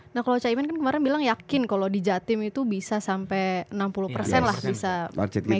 nah kalau cak iman kan kemarin bilang yakin kalau di jatim itu bisa sampai enam puluh lah bisa megang gitu